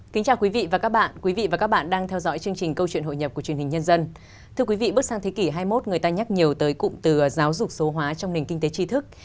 thưa quý vị bước sang thế kỷ hai mươi một người ta nhắc nhiều tới cụm từ giáo dục số hóa trong nền kinh tế tri thức